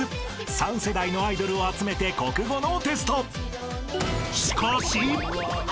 ［３世代のアイドルを集めて国語のテスト］